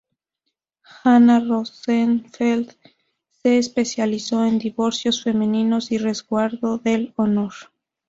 Ana Rosenfeld se especializó en divorcios femeninos y resguardo del honor.